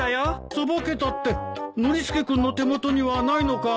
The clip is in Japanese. さばけたってノリスケ君の手元にはないのかい？